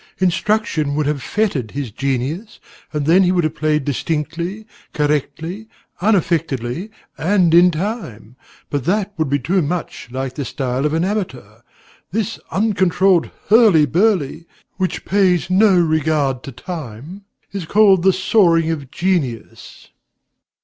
Instruction would have fettered his genius, and then he would have played distinctly, correctly, unaffectedly, and in time; but that would be too much like the style of an amateur. This uncontrolled hurly burly, which pays no regard to time, is called the soaring of genius.